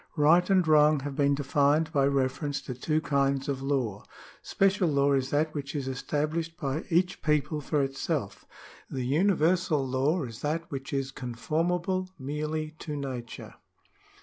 ^" Right and wrong have been defined by reference to two kinds of law. ... Special law is that which is estab lished by each people for itself. ... The universal law is that which is conformable merely to Nature."